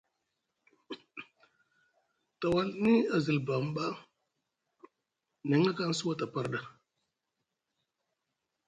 Tawalni a zilbanli ɓa neŋ a kansi wata par ɗa.